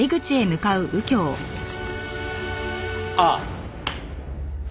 ああ！